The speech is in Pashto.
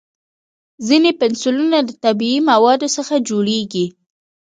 ځینې پنسلونه د طبیعي موادو څخه جوړېږي.